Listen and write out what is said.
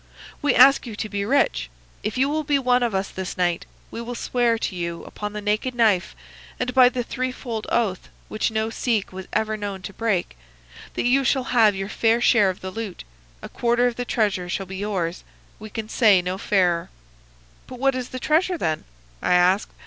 We ask you to be rich. If you will be one of us this night, we will swear to you upon the naked knife, and by the threefold oath which no Sikh was ever known to break, that you shall have your fair share of the loot. A quarter of the treasure shall be yours. We can say no fairer.' "'But what is the treasure, then?' I asked.